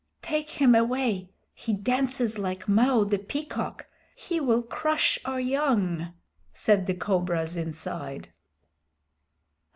"Take him away. He dances like Mao the Peacock. He will crush our young," said the cobras inside.